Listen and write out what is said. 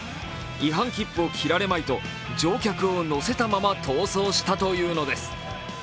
違反切符を切られまいと、乗客を乗せたまま逃走したというのです。